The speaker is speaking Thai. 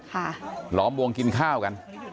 ค่ะหลอมวงกินข้าวกัน